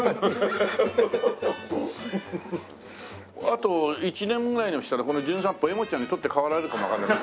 あと１年ぐらいしたらこの『じゅん散歩』えもっちゃんに取って代わられるかもわからない。